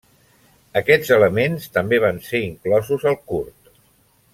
Aquests elements també van ser inclosos al curt.